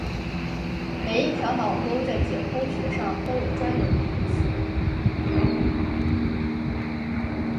每一条脑沟在解剖学上都有专有名称。